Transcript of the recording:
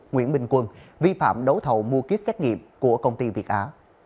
nguyễn bình quân vi phạm đấu thầu mua kit xét nghiệm của công ty việt á